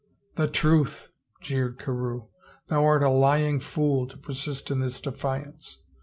" The truth !" jeered Carewe. " Thou art a lying fool to persist in this defiance.